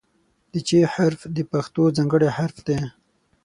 د "چ" حرف د پښتو ځانګړی حرف دی.